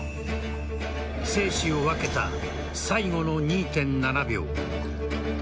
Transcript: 生死を分けた最後の２．７秒。